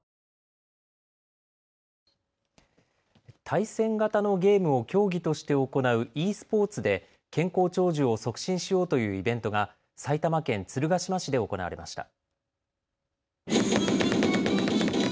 対戦型のゲームを競技として行うｅスポーツで健康長寿を促進しようというイベントが埼玉県鶴ヶ島市で行われました。